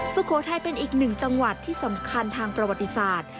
สุโขทัยเป็นอีกหนึ่งจังหวัดที่สำคัญทางประวัติศาสตร์